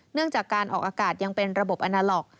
เนื่องจากการออกอากาศยังเป็นระบบอนาล็อก